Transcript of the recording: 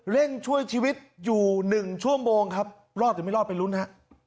เล่นช่วยชีวิตอยู่หนึ่งชั่วโมงครับรอดหรือไม่รอดเป็นรุ้นฮะ